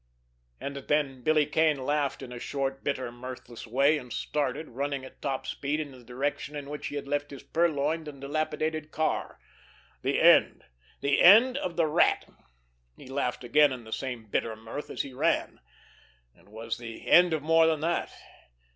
And then Billy Kane laughed in a short, bitter, mirthless way, and started, running at top speed, in the direction in which he had left his purloined and dilapidated car. The end! The end of the Rat! He laughed again in the same bitter mirth, as he ran. It was the end of more than that!